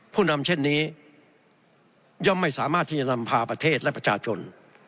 ผู้นำเช่นนี้ย่อมไม่สามารถที่จะนำพาประเทศและประชาชน